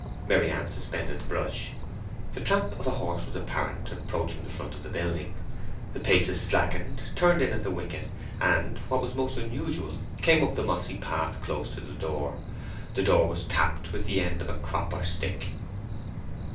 Maryann suspended the brush. The tramp of a horse was apparent, approaching the front of the building. The paces slackened, turned in at the wicket, and, what was most unusual, came up the mossy path close to the door. The door was tapped with the end of a crop or stick.